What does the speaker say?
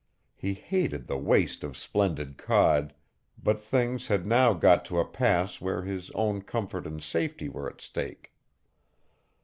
He hated the waste of splendid cod, but things had now got to a pass where his own comfort and safety were at stake.